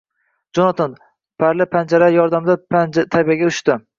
Jonatan, parli panjalari yordamida tepaga uchdi